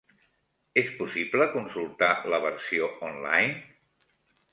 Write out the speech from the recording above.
És possible consultar la versió online?